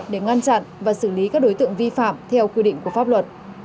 để ngăn chặn và xử lý các đối tượng vi phạm theo quy định của pháp luật